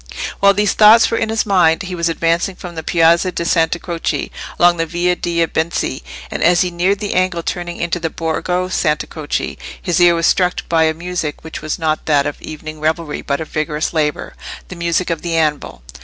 While these thoughts were in his mind he was advancing from the Piazza di Santa Croce along the Via dei Benci, and as he neared the angle turning into the Borgo Santa Croce his ear was struck by a music which was not that of evening revelry, but of vigorous labour—the music of the anvil.